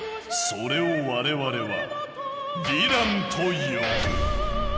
それを我々は「ヴィラン」と呼ぶ。